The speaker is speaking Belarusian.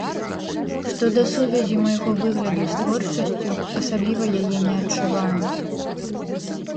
Што да сувязі майго выгляду з творчасцю, асабліва яе не адчуваю.